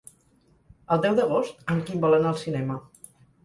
El deu d'agost en Quim vol anar al cinema.